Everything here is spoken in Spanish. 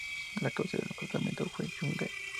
La cabecera del departamento fue Yungay.